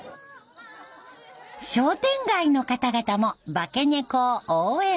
商店街の方々も化け猫を応援。